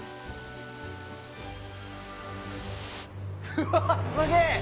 うわぁすげぇ！